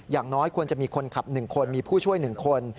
อย่างน้อยควรจะมีคนขับ๑คนมีผู้ช่วย๑คน